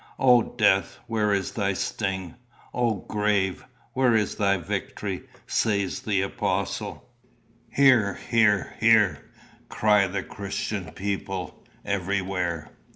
'O Death, where is thy sting? O Grave, where is thy victory?' says the apostle. 'Here, here, here,' cry the Christian people, 'everywhere.